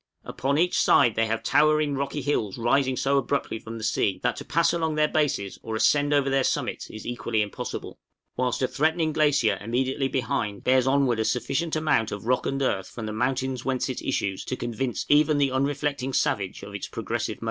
Upon each side they have towering rocky hills rising so abruptly from the sea, that to pass along their bases or ascend over their summits, is equally impossible; whilst a threatening glacier immediately behind, bears onward a sufficient amount of rock and earth from the mountains whence it issues, to convince even the unreflecting savage of its progressive motion.